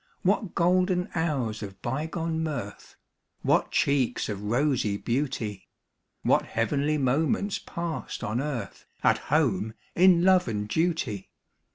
What golden hours of by gone mirth, What cheeks of rosy beauty ; What heavenly moments passed on earth At home in love and duty!